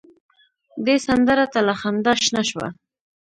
دې سندره ته له خندا شنه شوه.